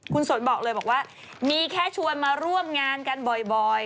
คุณสนบอกเลยบอกว่ามีแค่ชวนมาร่วมงานกันบ่อย